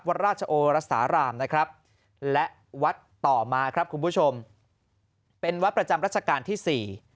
วัดราชโอรสารามนะครับและวัดต่อมาครับคุณผู้ชมเป็นวัดประจำรัชกาลที่สี่